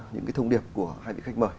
những cái thông điệp của hai vị khách mời